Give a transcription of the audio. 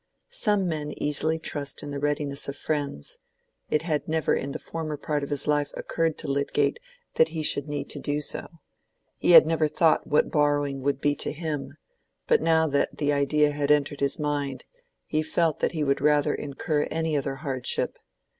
Some men easily trust in the readiness of friends; it had never in the former part of his life occurred to Lydgate that he should need to do so: he had never thought what borrowing would be to him; but now that the idea had entered his mind, he felt that he would rather incur any other hardship.